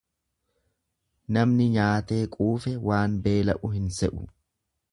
Namni nyaatee quufe waan beela'u hin se'u.